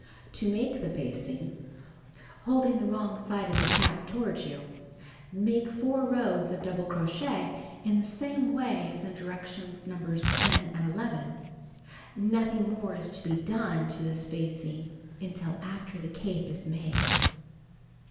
To Make the Facing: Holding the wrong side of the cap toward you, make 4 rows of double crochet in the .same way as in directions Nos. 10 and 11. Nothing more is to be done to tliis fachig until after the cape is made.